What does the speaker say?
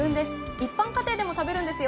一般家庭でも食べるんですよ。